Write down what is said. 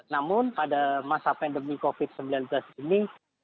namun pada masa pandemi covid sembilan belas ini